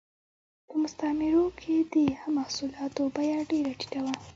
په مستعمرو کې د محصولاتو بیه ډېره ټیټه وه